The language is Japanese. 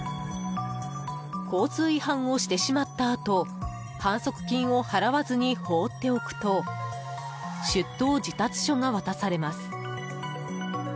交通違反をしてしまったあと反則金を払わずに放っておくと出頭示達書が渡されます。